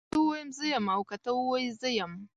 که زه ووایم زه يم او که ته ووايي زه يم